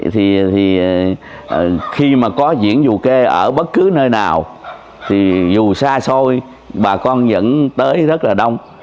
thì khi mà có diễn dù kê ở bất cứ nơi nào thì dù xa xôi bà con vẫn tới rất là đông